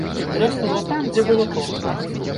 Трэснула там, дзе было тонка.